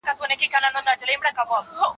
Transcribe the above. سپوږمۍ، لکۍ، صدرۍ، کوچۍ، نتکۍ ورورۍ، خپلوۍ، دوستۍ